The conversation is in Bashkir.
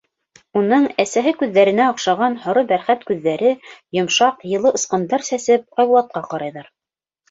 Уның әсәһе күҙҙәренә оҡшаған һоро бәрхәт күҙҙәре, йомшаҡ, йылы осҡондар сәсеп, Айбулатҡа ҡарайҙар.